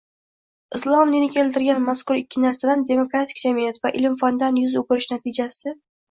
Islom dini keltirgan mazkur ikki narsadan – demokratik jamiyat va ilm-fandan yuz ugirish natijasida